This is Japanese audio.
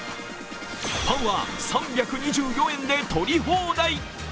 パンは３２４円でとり放題。